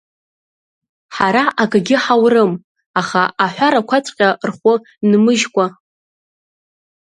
Ҳара акгьы ҳаурым, аха аҳәарақәаҵәҟьа рхәы нмыжькәа…